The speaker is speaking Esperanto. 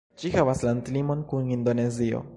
Ĝi havas landlimon kun Indonezio.